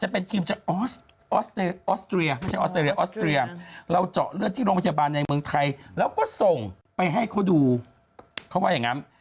ไปให้เขาดูเขาว่าอย่างนั้น